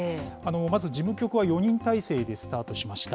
まず、事務局は４人体制でスタートしました。